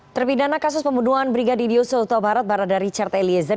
terpidana kasus pembunuhan brigadir yusuf tawabarat barada richard eliezer